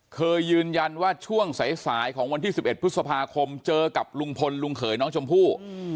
เคยยืนยันว่าช่วงสายของวันที่๑๑พฤษภาคมเจอกับลุงพลลุงเขยน้องชมพู่